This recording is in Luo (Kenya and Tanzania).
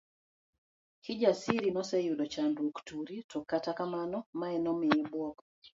Kijasiri noseyudo chandruok turi, to akata kamano mae nomiye buok.